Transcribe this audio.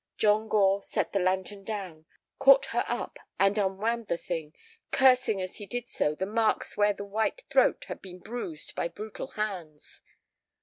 John Gore set the lantern down, caught her up and unwound the thing, cursing as he did so the marks where the white throat had been bruised by brutal hands.